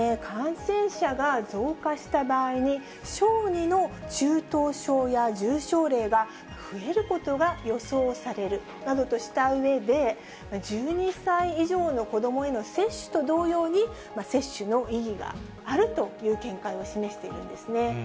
感染者が増加した場合に、小児の中等症や重症例が増えることが予想されるなどとしたうえで、１２歳以上の子どもへの接種と同様に、接種の意義があるという見解を示しているんですね。